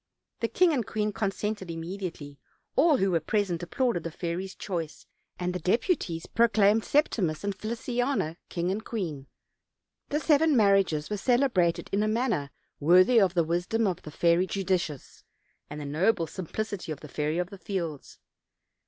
The king and queen consented immediately; all who were present applauded the fairy's choice, and the deputies proclaimed Septimus and Feliciana king and queen. The seven marriages were celebrated in a man ner worthy of the wisdom of the Fairy Judicious, and the noble simplicity of the Fairy of the Fields.